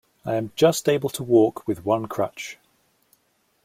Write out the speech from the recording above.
I am just able to walk with one crutch.